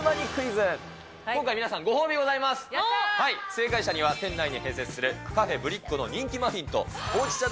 正解者には、店内に併設するカフェブリッコの人気マフィンと、ほうじ茶